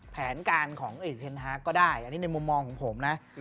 แผนการของเทนฮาร์กก็ได้อันนี้ในมุมมองของผมนะ